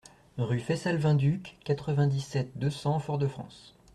Rue Faissal Vainduc, quatre-vingt-dix-sept, deux cents Fort-de-France